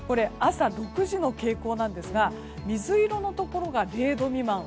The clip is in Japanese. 朝６時の傾向ですが水色のところが０度未満。